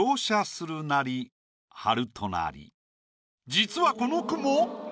実はこの句も。